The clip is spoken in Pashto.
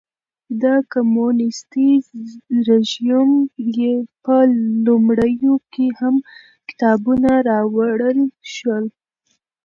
د کمونېستي رژیم په لومړیو کې هم کتابونه راوړل شول.